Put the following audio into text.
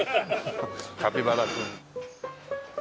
カピバラ君。